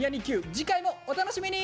次回もお楽しみに！